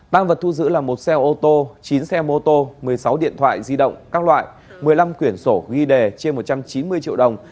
tăng vật thu giữ là một xe ô tô chín xe mô tô một mươi sáu điện thoại di động các loại một mươi năm quyển sổ ghi đề trên một trăm chín mươi triệu đồng